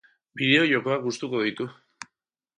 Bideojokoak gustuko ditu.